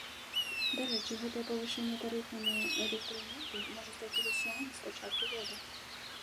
Дарэчы, гэтае павышэнне тарыфаў на электраэнергію можа стаць ужо сёмым з пачатку года.